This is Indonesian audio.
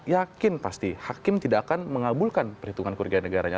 yakin pasti hakim tidak akan mengabulkan perhitungan kerugian negaranya